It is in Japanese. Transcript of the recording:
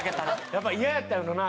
やっぱイヤやったんやろうな。